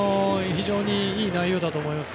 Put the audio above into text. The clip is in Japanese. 非常にいい内容だと思います。